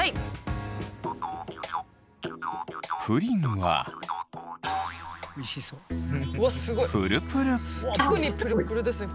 プリンはプルプル特にプルプルですね